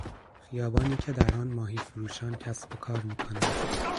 خیابانی که در آن ماهی فروشان کسب و کار میکنند.